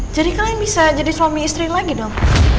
jadi kalian bisa jadi suami istri lagi dong